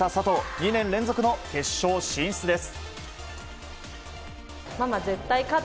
２年連続の決勝進出です。